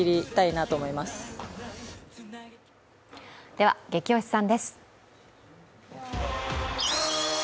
では、「ゲキ推しさん」です。